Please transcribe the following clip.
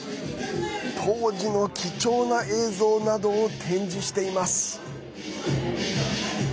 当時の貴重な映像などを展示しています。